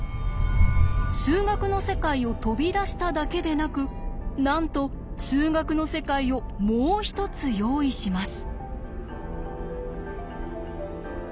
数学の世界を飛び出しただけでなくなんと数学の世界をもう一つ用意します。